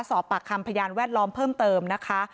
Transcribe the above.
สอบปากคำพยานแวดล้อมเพิ่มเติมนะคะ